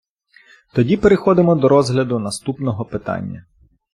Тоді переходимо до розгляду наступного питання!